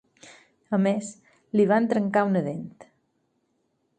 A més, li van trencar una dent.